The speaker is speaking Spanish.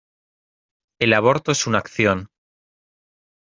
El aborto es una acción.